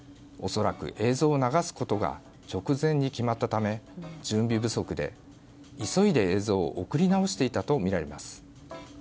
恐らく映像を流すことが直前に決まったため準備不足で、急いで映像を送り直していたとみられます。